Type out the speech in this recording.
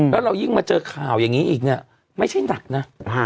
แล้วเรายิ่งมาเจอข่าวอย่างนี้อีกเนี่ยไม่ใช่หนักนะ